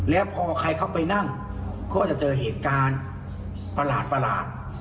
แล้วพอใครเข้าไปนั่งก็จะเจอเหตุการณ์ประหลาด